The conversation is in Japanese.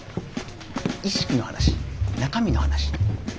意識の話中身の話。